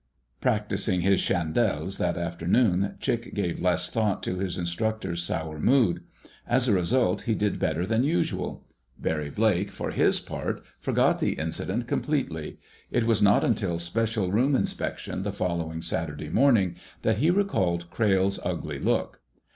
Practicing his chandelles that afternoon, Chick gave less thought to his instructor's sour mood. As a result he did better than usual. Barry Blake, for his part, forgot the incident completely. It was not until special room inspection, the following Saturday morning, that he recalled Crayle's ugly look.